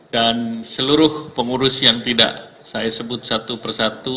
dan seluruh pengurus yang tidak saya sebut satu persatu